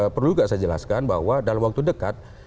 perlu juga saya jelaskan bahwa dalam waktu dekat